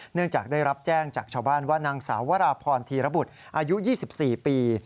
เนื่องจากได้รับแจ้งจากชาวบ้านว่านางสาววราพรธีรบุตรอายุ๒๔ปี